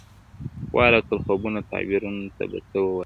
والوتل خوبونه تعبیرونو ته به څه وایو،